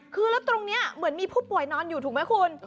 คือแล้วตรงนี้เหมือนมีผู้ป่วยนอนอยู่ถูกไหมคุณ